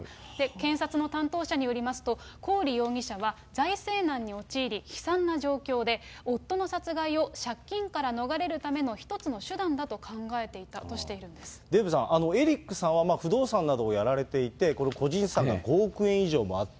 検察の担当者によりますと、コーリ容疑者は財政難に陥り、悲惨な状況で、夫の殺害を借金から逃れるための１つの手段だと考えていたとしてデーブさん、エリックさんは不動産などをやられていて、これ、個人資産が５億円以上もあった。